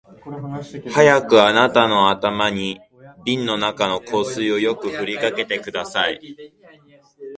早くあなたの頭に瓶の中の香水をよく振りかけてください